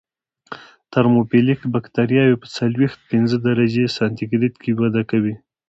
ترموفیلیک بکټریاوې په څلویښت پنځه درجې سانتي ګراد کې وده کوي.